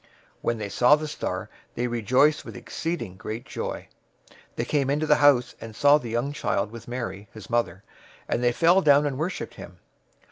002:010 When they saw the star, they rejoiced with exceedingly great joy. 002:011 They came into the house and saw the young child with Mary, his mother, and they fell down and worshiped him.